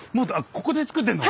ここで作ってんの？